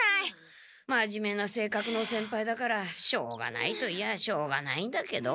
まじめなせいかくの先輩だからしょうがないといやしょうがないんだけど。